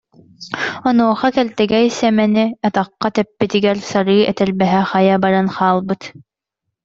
Онуоха Кэлтэгэй Сэмэни атахха тэппитигэр сарыы этэрбэһэ хайа баран хаалбыт